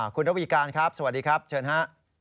คุณระวีการครับสวัสดีครับเชิญฮะ